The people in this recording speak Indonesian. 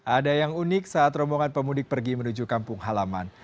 ada yang unik saat rombongan pemudik pergi menuju kampung halaman